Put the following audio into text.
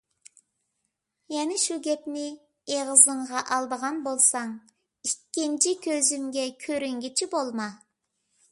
يەنە شۇ گەپنى ئېغىزىڭغا ئالىدىغان بولساڭ، ئىككىنچى كۆزۈمگە كۆرۈنگۈچى بولما!